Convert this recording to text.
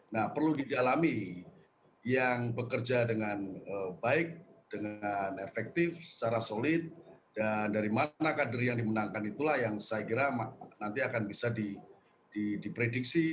nah perlu didalami yang bekerja dengan baik dengan efektif secara solid dan dari mana kader yang dimenangkan itulah yang saya kira nanti akan bisa diprediksi